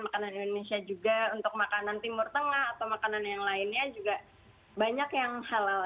makanan indonesia juga untuk makanan timur tengah atau makanan yang lainnya juga banyak yang halal